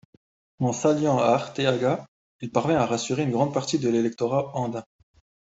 En s’alliant à Arteaga, il parvint à rassurer une grande partie de l’électorat andin.